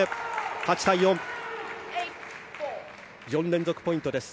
８対４４連続ポイントです。